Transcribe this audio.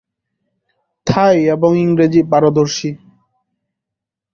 থাই এবং ইংরেজি পারদর্শী।